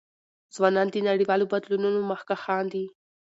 ځوانان د نړیوالو بدلونونو مخکښان دي.